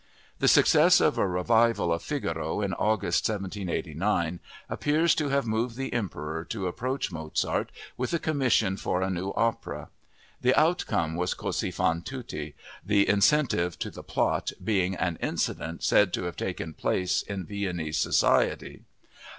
The success of a revival of Figaro in August 1789 appears to have moved the Emperor to approach Mozart with a commission for a new opera. The outcome was Così fan tutte, the incentive to the plot being an incident said to have taken place in Viennese society.